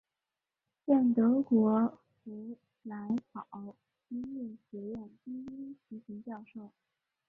现德国弗莱堡音乐学院低音提琴教授。